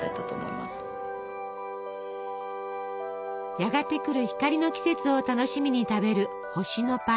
やがて来る光の季節を楽しみに食べる星のパイ。